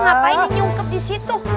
ngapain nyungkep di situ